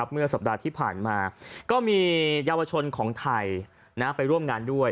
เมื่อสัปดาห์ที่ผ่านมาก็มีเยาวชนของไทยไปร่วมงานด้วย